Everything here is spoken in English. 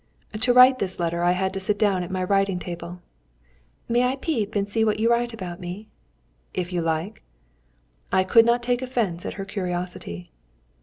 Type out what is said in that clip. To write this letter I had to sit down at my writing table. "May I peep and see what you write about me?" "If you like." I could not take offence at her curiosity.